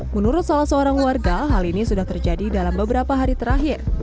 menurut salah seorang warga hal ini sudah terjadi dalam beberapa hari terakhir